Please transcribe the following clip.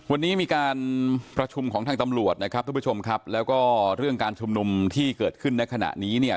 วันนี้มีการประชุมของทางตำรวจนะครับทุกผู้ชมครับแล้วก็เรื่องการชุมนุมที่เกิดขึ้นในขณะนี้เนี่ย